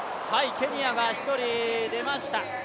ケニアが１人でました。